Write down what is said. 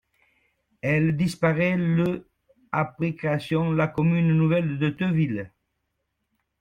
Elle disparaît le après création la commune nouvelle de Theuville.